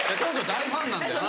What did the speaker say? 大ファンなんだよな。